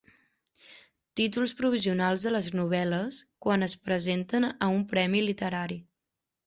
Títols provisionals de les novel·les quan es presenten a un premi literari.